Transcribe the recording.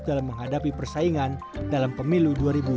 dalam menghadapi persaingan dalam pemilu dua ribu dua puluh